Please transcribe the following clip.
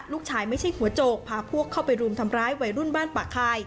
ไม่ใช่หัวโจกพาพวกเข้าไปรุมทำร้ายวัยรุ่นบ้านป่าคาย